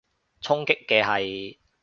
衝擊嘅係？